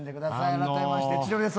あらためまして千鳥です。